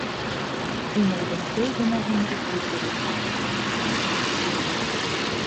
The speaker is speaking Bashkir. Инәйҙең сәй генә һемереп ултырыуына ғәжәпләнгән ҡыҙыҡай: